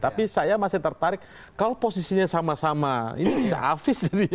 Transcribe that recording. tapi saya masih tertarik kalau posisinya sama sama ini bisa hafiz jadi